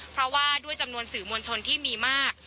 เพราะว่าด้วยจำนวนสื่อมวลชนที่มีมาก